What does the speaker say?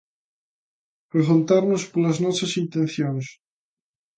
Preguntarnos polas nosas intencións?